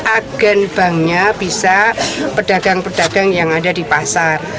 agen banknya bisa pedagang pedagang yang ada di pasar